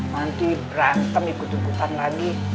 nanti berantem ikut ikutan lagi